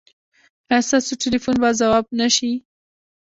ایا ستاسو ټیلیفون به ځواب نه شي؟